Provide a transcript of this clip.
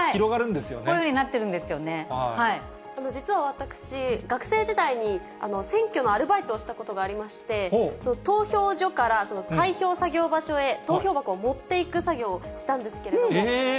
こういうふうになってるんで実は私、学生時代に選挙のアルバイトをしたことがありまして、投票所から開票作業場所へ投票箱を持っていく作業をしたんですけれども。